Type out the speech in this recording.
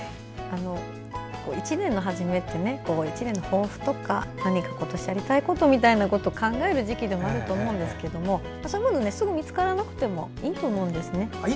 １年の初めって１年の抱負とか今年やりたいことみたいなこと考える時期でもあると思うんですけれどもすぐ見つからなくてもいいと思うんですね。